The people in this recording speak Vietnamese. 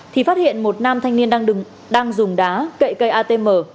thì phát hiện một nam thanh niên đang dùng đá cậy cây atm